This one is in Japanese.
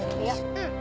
うん。